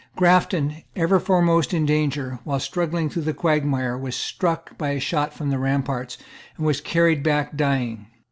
Grafton, ever foremost in danger, while struggling through the quagmire, was struck by a shot from the ramparts, and was carried back dying.